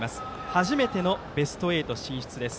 初めてのベスト８進出です。